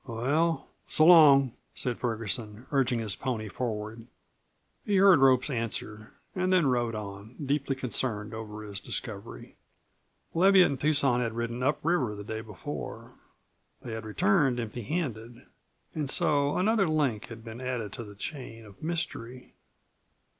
"Well, so long," said Ferguson, urging his pony forward. He heard Rope's answer, and then rode on, deeply concerned over his discovery. Leviatt and Tucson had ridden up the river the day before. They had returned empty handed. And so another link had been added to the chain of mystery.